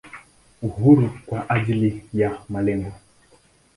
Uhuru kwa ajili ya malengo.